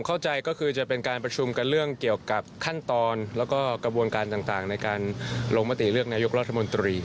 เข้าใจก็คือจะเป็นการประชุมกันเรื่องเกี่ยวกับขั้นตอนแล้วก็กระบวนการต่างในการลงมติเลือกนายกรัฐมนตรี